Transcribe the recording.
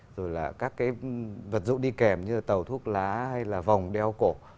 rồi là các cái vật dụng đi kèm như là tàu thuốc lá hay là vòng đeo cổ